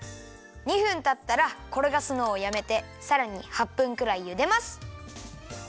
２分たったらころがすのをやめてさらに８分くらいゆでます。